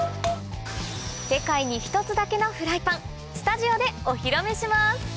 世界に一つだけのフライパンスタジオでお披露目します